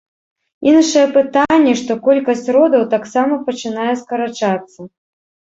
Іншае пытанне, што колькасць родаў таксама пачынае скарачацца.